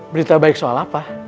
berita baik soal apa